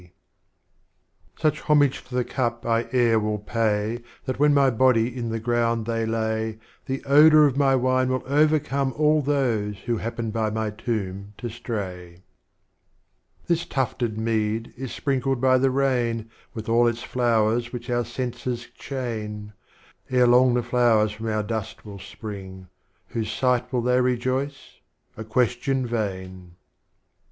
Strophes of Omar Khayyam. XVI. Such Homage to the Cup I ere will pay That when my Bodj'^ in the Gi'ound they lay, The Odor of my Wine will overcome All those who happen by my Tomb to stray. XVII. This Tufted Mead is sprinkled by the Rain With all its Flowers which our Senses chain, — Ere long the Flowers from our Dust will spring, Whose sight will they rejoice? A Question vain.